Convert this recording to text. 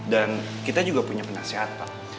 dan kita juga punya penasehat pak